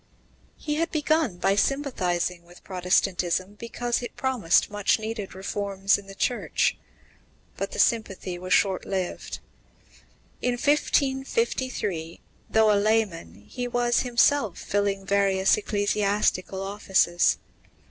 He had begun by sympathizing with Protestantism, because it promised much needed reforms in the Church; but the sympathy was short lived. In 1553, though a layman, he was himself filling various ecclesiastical offices.